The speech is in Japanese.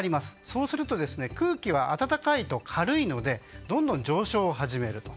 そうすると空気は温かいと軽いのでどんどん上昇を始める。